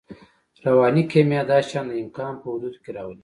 رواني کیمیا دا شیان د امکان په حدودو کې راولي